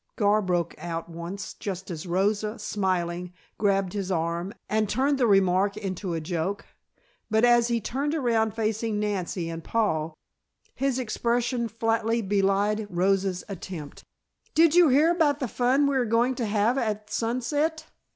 Gar broke out once just as Rosa, smiling, grabbed his arm and turned the remark into a joke. But as he turned around facing Nancy and Paul, his expression flatly belied Rosa's attempt. "Did you hear about the fun we are going to have at Sunset?"